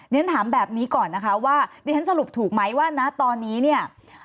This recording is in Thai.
นี่ฉันถามแบบนี้ก่อนนะคะว่านี่ฉันสรุปถูกไหมว่าตอนนี้